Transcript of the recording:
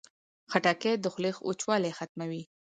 خټکۍ د خولې وچوالی ختموي.